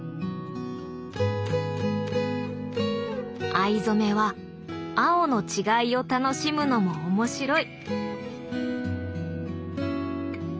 藍染めは青の違いを楽しむのも面白い。